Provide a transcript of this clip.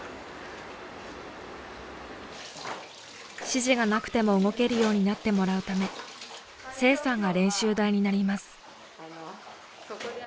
指示がなくても動けるようになってもらうため清さんが練習台になります。